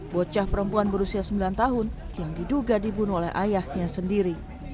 bocah perempuan berusia sembilan tahun yang diduga dibunuh oleh ayahnya sendiri